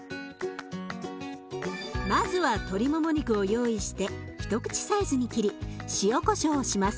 まずは鶏もも肉を用意して一口サイズに切り塩・こしょうをします。